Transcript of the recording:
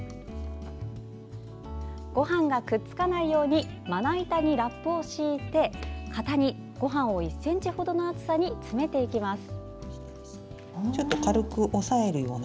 ごはんがくっつかないようにまな板にラップを敷いて型に、ごはんを１ｃｍほどの厚さに詰めていきます。